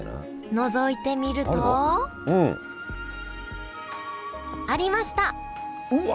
のぞいてみるとうん。ありましたうわっ！